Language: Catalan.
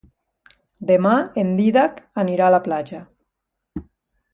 Demà en Dídac anirà a la platja.